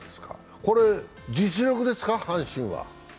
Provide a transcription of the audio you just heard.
これ、実力ですか、阪神は。